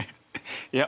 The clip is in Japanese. いや